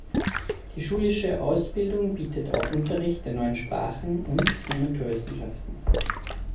Die schulische Ausbildung bietet auch Unterricht der neuen Sprachen und den Naturwissenschaften.